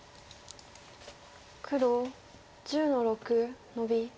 黒１０の六ノビ。